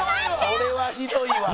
これはひどいわ。